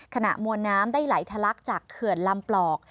ขณะมวลน้ำได้ไหลทะลักจากเขื่อนลำปลอก